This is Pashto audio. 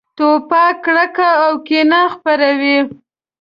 توپک کرکه او کینه خپروي.